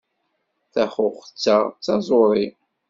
Taxuxet-a d taẓuri.